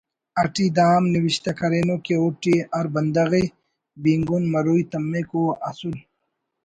اٹی دا ہم نوشتہ کرینو کہ اوٹی ہر بندغ ءِ بینگن مروئی تمک او اسُل